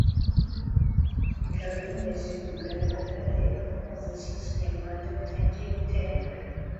Bikaba bimaze kugaragara rero ko umuziki nyarwanda utangiye gutera imbere